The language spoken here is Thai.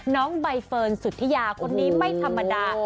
น้องใบเฟิร์นสุธิยาคนนี้ไม่ธรรมดา